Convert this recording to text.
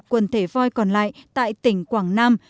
quần thể voi còn lại tại tỉnh quảng nam